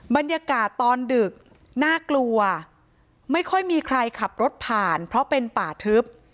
บรรยากาศตอนดึกน่ากลัวไม่ค่อยมีใครขับรถผ่านเพราะเป็นป่าทึบ